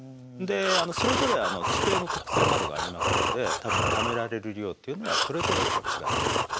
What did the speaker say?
それぞれ地形の特性などがありますので多分ためられる量というのはそれぞれ違ってくると。